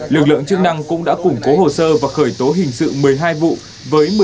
lực lượng chức năng cũng đã củng cố hồ sơ và khởi tố hình sự một mươi hai vụ với một mươi sáu